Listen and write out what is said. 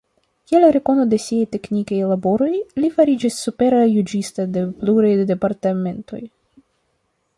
Kiel rekono de siaj teknikaj laboroj li fariĝis supera juĝisto de pluraj departementoj.